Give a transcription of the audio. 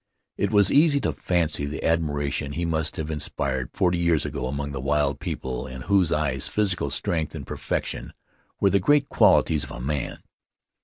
It was easy to fancy the admiration he must have inspired forty years ago among the wild people, in whose eyes physical strength and perfection were the great qual ities of a man.